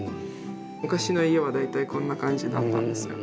昔の家は大体こんな感じだったんですよ。